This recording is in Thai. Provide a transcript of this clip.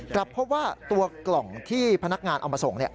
กลับเพราะว่าตัวกล่องที่พนักงานเอามาส่ง